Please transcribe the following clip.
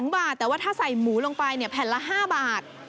บาทแต่ว่าถ้าใส่หมูลงไปแผ่นละ๕บาท